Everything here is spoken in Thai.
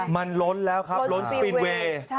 มันล้นแล้วครับล้นสปินเวย์